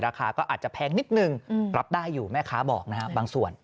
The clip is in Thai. ราคาก็อาจจะแพงนิดนึงรับได้อยู่แม่ค้าบอกนะฮะบางส่วน